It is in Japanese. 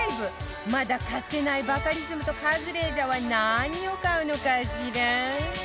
まだ買ってないバカリズムとカズレーザーは何を買うのかしら？